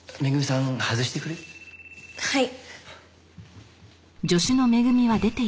はい。